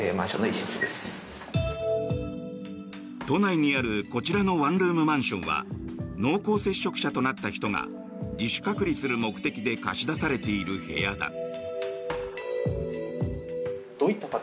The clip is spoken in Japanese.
都内にあるこちらのワンルームマンションは濃厚接触者となった人が自主隔離する目的で貸し出されている部屋だ。